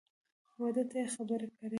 واده ته یې خبر کړی یې؟